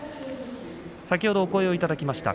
先ほどお声をいただきました